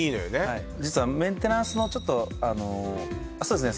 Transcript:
はい実はメンテナンスのちょっとあのあっそうですね